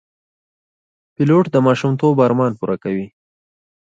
پیلوټ د ماشومتوب ارمان پوره کوي.